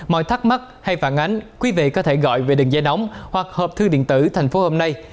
mọi thắc mắc hay phản ánh quý vị có thể gọi về đường dây nóng hoặc hợp thư điện tử thành phố hôm nay